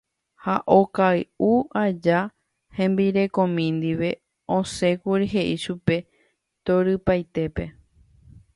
Ha okay'u aja hembirekomi ndive, osẽkuri he'i chupe torypaitépe.